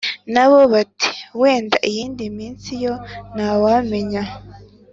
nabo bati wenda iyindi minsi yo ntawamenya